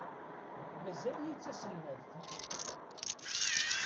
Mazal-iyi d taselmadt.